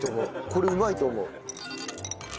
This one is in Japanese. これうまいと思う。